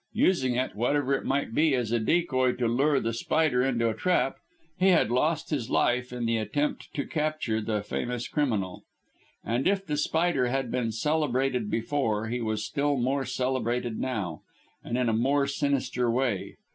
Using it, whatever it might be, as a decoy to lure The Spider into a trap, he had lost his life in the attempt to capture the famous criminal. And if The Spider had been celebrated before, he was still more celebrated now, and in a more sinister way.